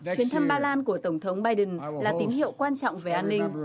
chuyến thăm ba lan của tổng thống biden là tín hiệu quan trọng về an ninh